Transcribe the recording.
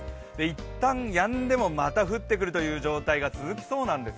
いったんやんでもまた降ってくるという状況が続きそうなんです。